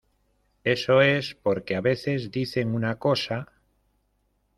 eso es porque a veces dicen una cosa